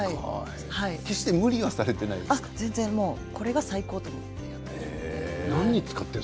言う程決して無理はこれが最高と思っています。